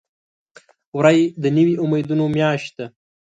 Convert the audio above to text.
وری د نوي امیدونو میاشت ده.